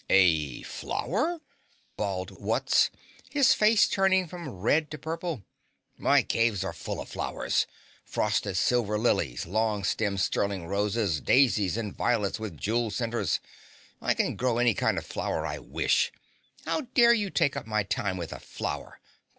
"A flower!" bawled Wutz, his face turning from red to purple. "My caves are full of flowers, frosted silver lilies, long stemmed sterling roses, daisies and violets with jeweled centers. I can grow any kind of flower I wish. How dare you take up my time with a flower!